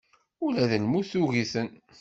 Ula d lmut tugi-ten.